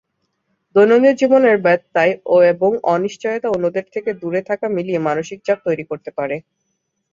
দৈনন্দিন জীবনের ব্যত্যয় এবং অনিশ্চয়তা অন্যদের থেকে দূরে থাকা মিলিয়ে মানসিক চাপ তৈরি করতে পারে।